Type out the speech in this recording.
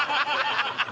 ハハハハ！